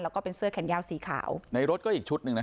แล้วก็เป็นเสื้อแขนยาวสีขาวในรถก็อีกชุดหนึ่งนะ